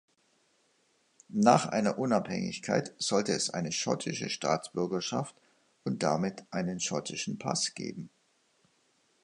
Nach einer Unabhängigkeit sollte es eine schottische Staatsbürgerschaft und damit einen schottischen Pass geben.